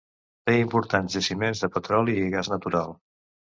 Té importants jaciments de petroli i gas natural.